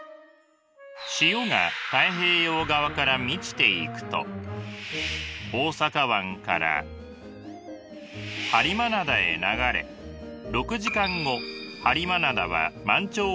潮が太平洋側から満ちていくと大阪湾から播磨灘へ流れ６時間後播磨灘は満潮を迎えます。